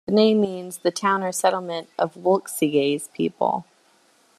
The name means 'the town or settlement of Wulfsige's people'.